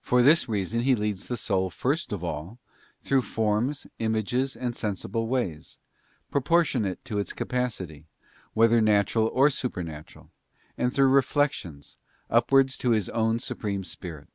For this reason He leads the soul first of all through forms, images, and sensible ways, proportionate to its capacity, whether natural or supernatural, and through reflections, upwards to His own Supreme Spirit.